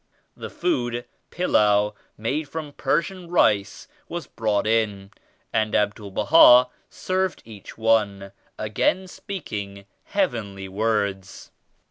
The food, pilau, made from Persian rice was brought in and Abdul Baha served each one, 73 again speaking heavenly words.